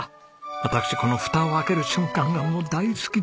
私このふたを開ける瞬間がもう大好きなんですよ。